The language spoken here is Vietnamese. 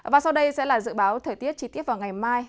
và sau đây sẽ là dự báo thời tiết chi tiết vào ngày mai